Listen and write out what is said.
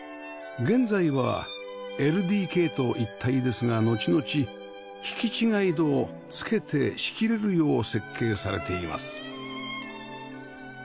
現在は ＬＤＫ と一体ですが後々引き違い戸を付けて仕切れるよう設計されています